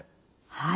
はい。